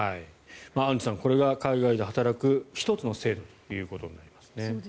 アンジュさんこれが海外で働く１つの制度となりますね。